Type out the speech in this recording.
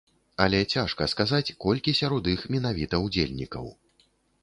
Але цяжка сказаць, колькі сярод іх менавіта ўдзельнікаў.